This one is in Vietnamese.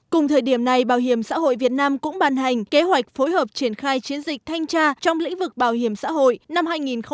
cùng thời điểm này bảo hiểm xã hội việt nam cũng bàn hành kế hoạch phối hợp triển khai chiến dịch thanh tra trong lĩnh vực bảo hiểm xã hội năm hai nghìn hai mươi